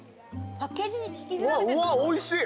うわっおいしい。